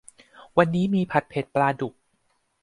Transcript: วันนี้มีผัดเผ็ดปลาดุก